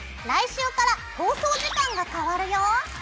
来週から放送時間が変わるよ。